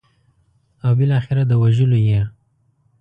او بالاخره د وژلو یې.